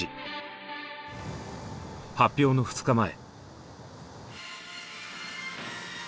発表の２日前。